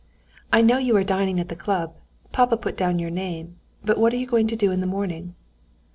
"I know you are dining at the club; papa put down your name. But what are you going to do in the morning?"